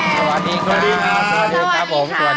สวัสดีครับ